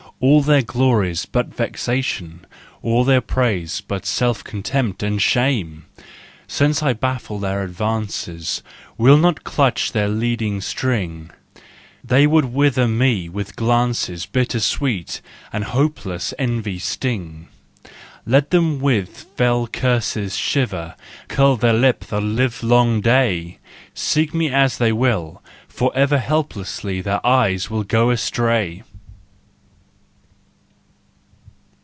All their glory's but vexation, All their praise but self contempt and shame! Since I baffle their advances, Will not clutch their leading string, They would wither me with glances Bitter sweet, with hopeless envy sting. Let them with fell curses shiver, Curl their lip the livelong day! Seek me as they will, forever Helplessly their eyes shall go astray!